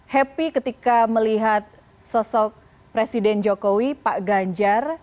happy ketika melihat sosok presiden jokowi pak ganjar